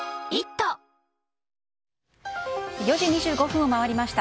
４時２５分を回りました。